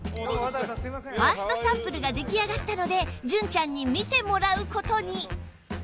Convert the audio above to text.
ファーストサンプルができあがったので純ちゃんに見てもらう事に